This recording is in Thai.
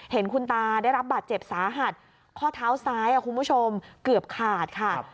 เห็นคุณตาได้รับบาดเจ็บสาหัสข้อเท้าซ้ายคุณผู้ชมเกือบขาดค่ะ